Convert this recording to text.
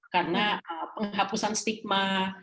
karena penghapusan stigma